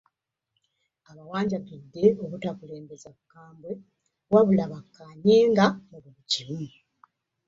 Abawanjagidde obutakulembeza bukambwe wabula bakkaanyenga mu buli kimu